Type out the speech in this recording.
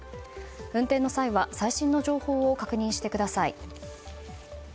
運転の際は最新の情報を確認してください。